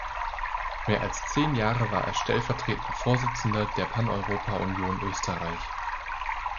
Mehr als zehn Jahre war er stellvertretender Vorsitzender der Paneuropa-Union Österreich.